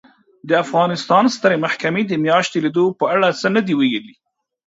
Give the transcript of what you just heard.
د افغانستان سترې محکمې د میاشتې لیدو په اړه څه نه دي ویلي